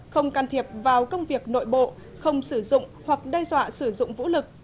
không can thiệp vào công việc nội bộ không sử dụng hoặc đe dọa sử dụng vũ lực